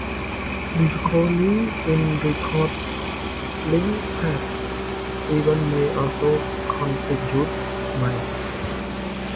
Difficulty in recalling past events may also contribute bias.